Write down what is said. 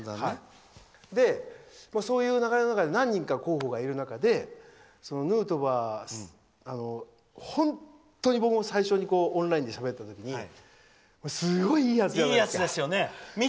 で、そういう流れの中で何人か候補がいる中でヌートバーは、本当に僕も最初にオンラインでしゃべった時いいやつですよね。